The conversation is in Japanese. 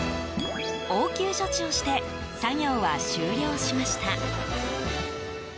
応急処置をして作業は終了しました。